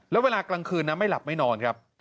แล้วเวลากลางคืนนะไม่หลับไม่นอนครับ